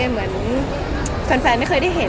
เหมือนแฟนไม่เคยได้เห็น